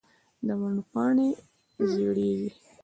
د ونو پاڼی زیړیږې